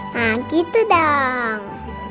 nah kita dong